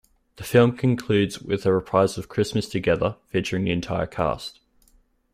The film concludes with a reprise of "Christmas Together" featuring the entire cast.